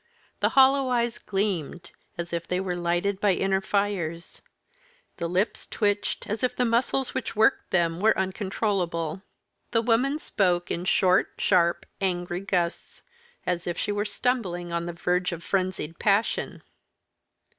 The hollow eyes gleamed as if they were lighted by inner fires; the lips twitched as if the muscles which worked them were uncontrollable. The woman spoke in short, sharp, angry gusts, as if she were stumbling on the verge of frenzied passion.